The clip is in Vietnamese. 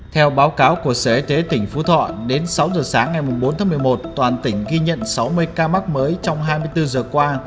theo báo cáo của sở y tế tỉnh phú thọ đến sáu giờ sáng ngày bốn tháng một mươi một toàn tỉnh ghi nhận sáu mươi ca mắc mới trong hai mươi bốn giờ qua